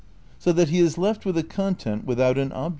^ So that he is left with a content without an object.